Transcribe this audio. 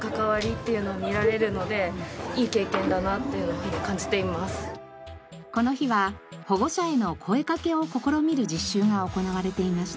今回ここに入るのはこの日は保護者への声かけを試みる実習が行われていました。